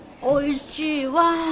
おいしいわあ。